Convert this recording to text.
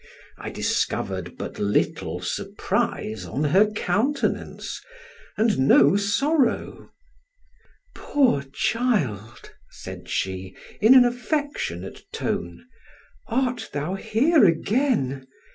I discovered but little surprise on her countenance, and no sorrow. "Poor child!" said she, in an affectionate tone, "art thou here again?